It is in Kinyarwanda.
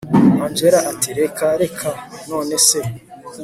angella ati reka reka nonese